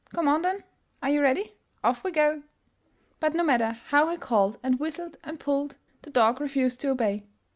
Come on, then ! Are you ready? Off we go! " But no matter how he called and whistled and pulled, the dog refused to obey.